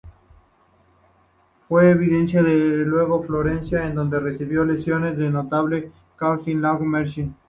Fue enviada luego a Florencia, en donde recibió lecciones del notable castrato Luigi Marchesi.